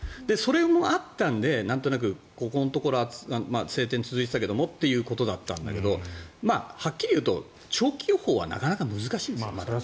それもあったのでなんとなくここのところ晴天が続いていたけれどもってことだったんですけどはっきり言うと長期予報はなかなか難しいんですよ。